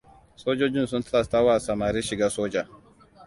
Sojojin sun tilasta wa samari shiga soja.